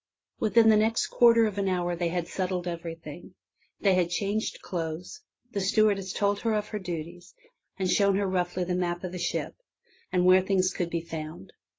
Within the next quarter of an hour they had settled everything. They had changed clothes. The stewardess had told her of her duties and shown her roughly the map of the ship, and where things could be found.